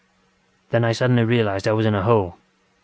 Then I suddenly realised I was in a hole.